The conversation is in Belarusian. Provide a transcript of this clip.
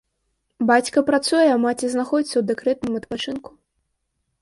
Бацька працуе, а маці знаходзіцца ў дэкрэтным адпачынку.